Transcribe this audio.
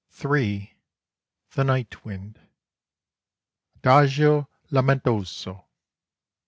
(3) THE NIGHT WIND _Adagio lamentoso.